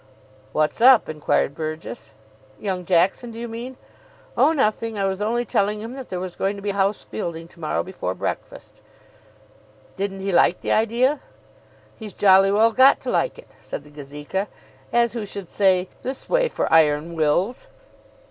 "What's up?" inquired Burgess. "Young Jackson, do you mean? Oh, nothing. I was only telling him that there was going to be house fielding to morrow before breakfast." "Didn't he like the idea?" "He's jolly well got to like it," said the Gazeka, as who should say, "This way for Iron Wills."